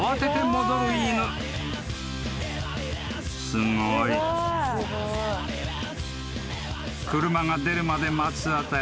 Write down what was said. ［すごい］［車が出るまで待つあたり